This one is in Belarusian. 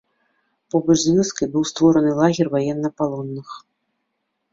Побач з вёскай быў створаны лагер ваеннапалонных.